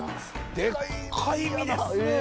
でっかい身ですね！